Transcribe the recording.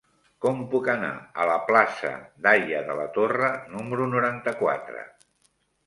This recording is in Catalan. Com puc anar a la plaça d'Haya de la Torre número noranta-quatre?